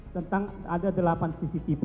tentang ada delapan cctv